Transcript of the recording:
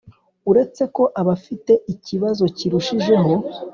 Uretse ko abafite ikibazo kirushijeho